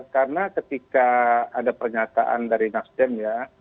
karena ketika ada pernyataan dari nasdem ya